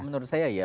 menurut saya iya